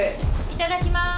いただきます。